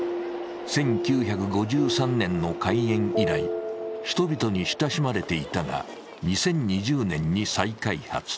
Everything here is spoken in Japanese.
１９５３年の開園以来、人々に親しまれていたが２０２０年に再開発。